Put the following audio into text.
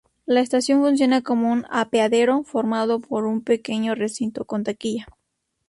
La estación funciona como un apeadero formado por un pequeño recinto con taquilla.